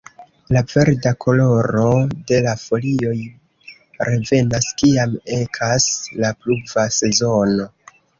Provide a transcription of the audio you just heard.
La verda koloro de la folioj revenas kiam ekas la pluva sezono.